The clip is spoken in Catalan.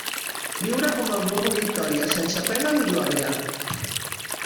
Viure com el burro Vitòria, sense pena ni glòria.